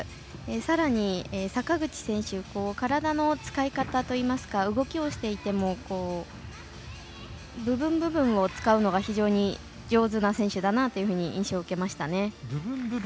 さらに、坂口選手体の使い方といいますか動きをしていても部分部分を使うのが非常に上手な選手だなと印象を受けました。